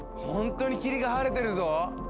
ほんとに霧が晴れてるぞ！